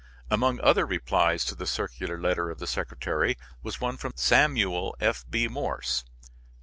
Among other replies to the circular letter of the secretary was one from Samuel F. B. Morse.